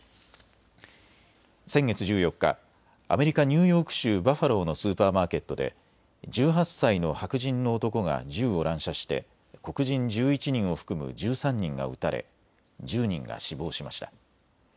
先月１４日、アメリカ・ニューヨーク州バファローのスーパーマーケットで１８歳の白人の男が銃を乱射して黒人１１人を含む１３人が撃たれ１０人が死亡しました。